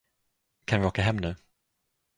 Kan vi åka hem nu?